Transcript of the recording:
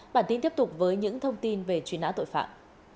bản tin tiếp tục với những thông tin về truy nã tội phạm